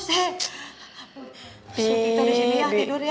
si kita di sini ya tidur ya